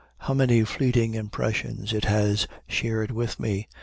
How many fleeting impressions it had shared with me!